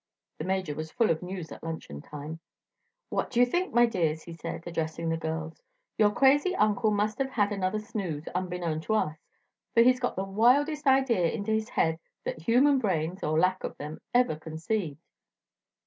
'" The Major was full of news at luncheon time. "What do you think, my dears?" he said, addressing the girls. "Your crazy uncle must have had another snooze, unbeknown to us, for he's got the wildest idea into his head that human brains or lack of them ever conceived."